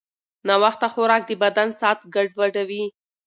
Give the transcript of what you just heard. ناوخته خوراک د بدن ساعت ګډوډوي.